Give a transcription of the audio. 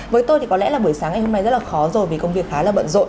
với tôi thì có lẽ là buổi sáng ngày hôm nay rất là khó rồi vì công việc khá là bận rộn